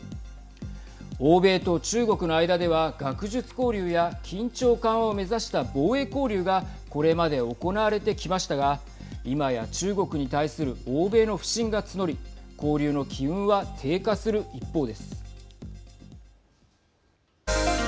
欧米と中国の間では学術交流や緊張緩和を目指した防衛交流がこれまで行われてきましたが今や中国に対する欧米の不信が募り交流の機運は低下する一方です。